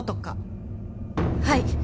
はい。